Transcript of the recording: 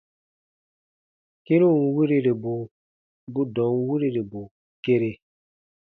Kĩrun wiriribu bu dɔ̃ɔn wirirbu kere.